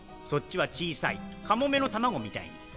そっちは小さいカモメの卵みたいに。